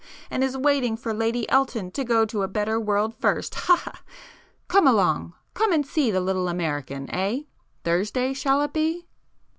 and is waiting for Lady Elton to go to a better world first, ha ha! Come along—come and see the little American, eh? Thursday shall it be?"